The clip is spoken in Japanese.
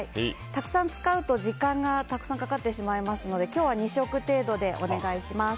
たくさん使うと時間がたくさんかかってしまうので今日は２色程度でお願いします。